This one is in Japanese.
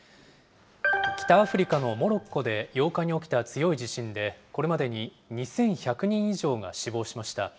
北アフリカのモロッコで８日に起きた強い地震で、これまでに２１００人以上が死亡しました。